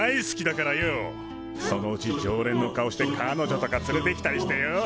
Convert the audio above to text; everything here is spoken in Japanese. そのうち常連の顔して彼女とか連れてきたりしてよ。